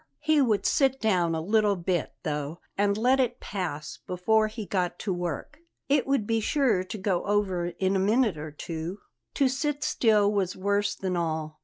He would sit down a little bit, though, and let it pass before he got to work. It would be sure to go over in a minute or two. To sit still was worse than all.